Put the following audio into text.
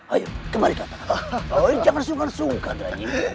ayo kemari kata kata jangan sungkan sungkan raih